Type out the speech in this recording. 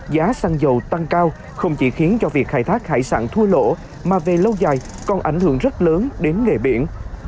giá xăng dầu tăng cao không chỉ khiến cho việc khai thác hải sản thua lỗ mà về lâu dài còn ảnh hưởng rất lớn đến nghề biển